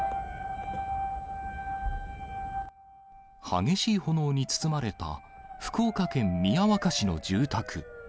激しい炎に包まれた福岡県宮若市の住宅。